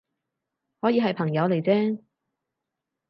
可以係朋友嚟啫